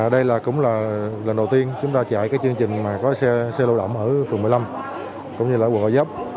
đây cũng là lần đầu tiên chúng ta chạy cái chương trình mà có xe lô động ở phường một mươi năm cũng như là quận hòa giáp